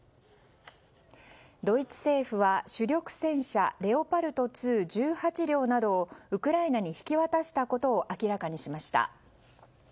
ドイツ政府は主力戦車レオパルト２１８両などをウクライナに引き渡したことを明らかにしました。